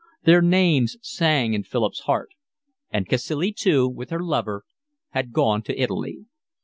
Their names sang in Philip's heart. And Cacilie too, with her lover, had gone to Italy.